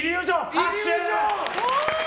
拍手！